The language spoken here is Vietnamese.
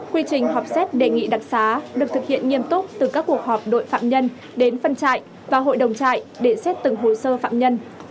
quy trình họp xét đề nghị đặc xá được thực hiện nghiêm túc từ các cuộc họp đội phạm nhân đến phân trại và hội đồng trại để xét từng hồ sơ phạm nhân